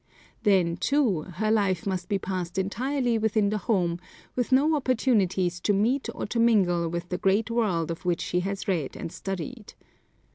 Then, too, her life must be passed entirely within the home, with no opportunities to meet or to mingle with the great world of which she has read and studied.